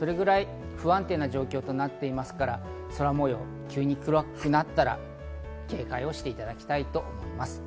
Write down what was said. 不安定な状況となっていますから空模様、急に暗くなったら警戒をしていただきたいと思います。